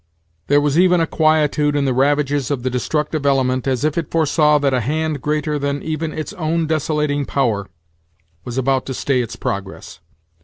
There was even a quietude in the ravages of the destructive element, as if it foresaw that a hand greater titan even its own desolating power, was about to stay its progress.